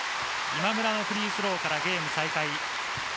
今村のフリースローからゲーム再開。